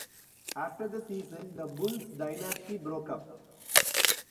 After the season, the Bulls dynasty broke up.